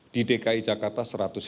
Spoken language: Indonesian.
di dki jakarta satu ratus lima puluh